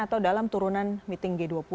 atau dalam turunan meeting g dua puluh